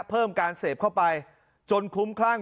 เพิ่มการเสพเข้าไปจนคลุ้มคลั่ง